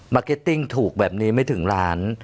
เก็ตติ้งถูกแบบนี้ไม่ถึงล้าน